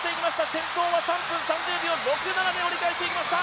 先頭は３分３０秒６７で折り返していきました！